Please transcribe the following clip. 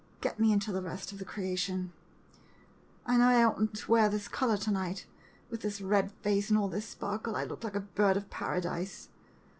Get me into the rest of the creation. I know I ought n't to wear this color to night — with this red face and all this sparkle, I look like a bird of paradise.